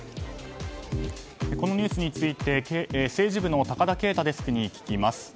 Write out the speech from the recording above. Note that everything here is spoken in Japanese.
このニュースについて政治部の高田圭太デスクに聞きます。